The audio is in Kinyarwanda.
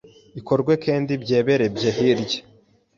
ikorwe kendi byebererye hirye